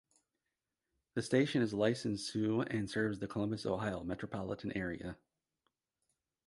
The station is licensed to and serves the Columbus, Ohio metropolitan area.